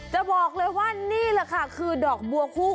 จะบอกเลยว่านี่แหละค่ะคือดอกบัวคู่